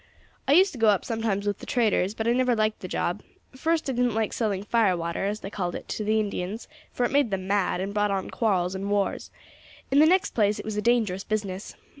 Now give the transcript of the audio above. I used to go up sometimes with traders, but I never liked the job: first, I didn't like selling 'fire water,' as they called it, to the Indians, for it made them mad, and brought on quarrels and wars; in the next place, it was a dangerous business.